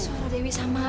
suara dewi sama